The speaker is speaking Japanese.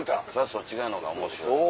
そっち側の方が面白い。